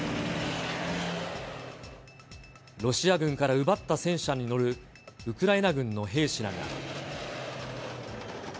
ロシア軍から奪った戦車に乗るウクライナ軍の兵士らが。